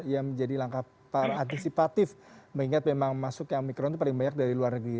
yang menjadi langkah antisipatif mengingat memang masuknya omikron itu paling banyak dari luar negeri